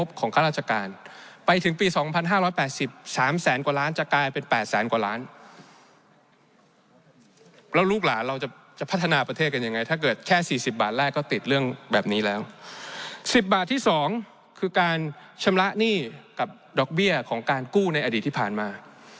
๑๐บาทที่๒คือการชำระหนี้กับดอกเบี้ยของการกู้ในอดีตที่ผ่านมา